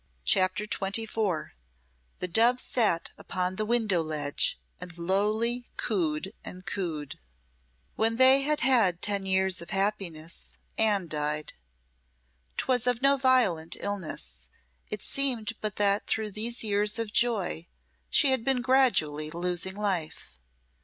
CHAPTER XXIV The doves sate upon the window ledge and lowly cooed and cooed When they had had ten years of happiness, Anne died. 'Twas of no violent illness, it seemed but that through these years of joy she had been gradually losing life.